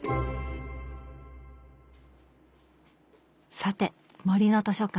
さて「森の図書館」